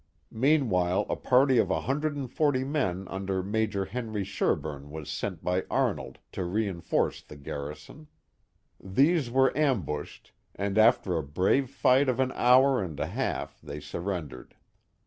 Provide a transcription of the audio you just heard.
Meanwhile a party of 140 men under Major Henry Sherburne was sent by Arnold to reinforce the garrison. These were ambushed, and after a brave fight of an hour and a half they surrendered.